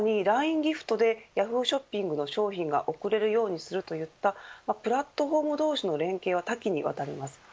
ギフトでＹａｈｏｏ！ショッピングの商品を送れるようにするといったプラットフォーム同士の連携は多岐にわたります。